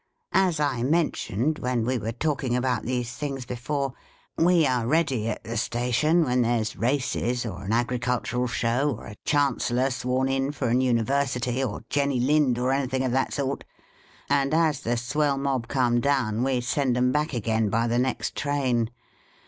As I mentioned, when we were talking about these things before, we are Charles Dickens.] THREE "DETECTIVE" ANECDOTES. 579 ready at the station when there 's races, or an Agricultural Show, or a Chancellor sworn in for an university, or Jenny Lind, or any thing of that sort ; and as the Swell Mob come down, we send 'em back again by the next train.